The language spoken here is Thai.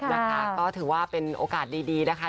นะคะก็ถือว่าเป็นโอกาสดีนะคะ